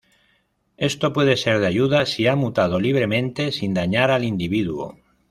Esto puede ser de ayuda si ha mutado libremente sin dañar al individuo.